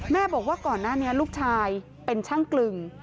บอกว่าก่อนหน้านี้ลูกชายเป็นช่างกลึง